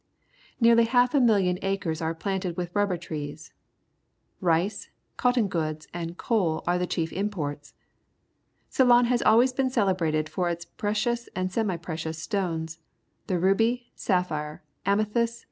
Nearly half a mil lion acres are planted with rubber trees. Rice, cotton goods, and coal are the chief imports. Ceylon has always been celebrated for its precious and semi precious stones, the ruby^sa jjphi !£,, ■aingl.b^:':s.t^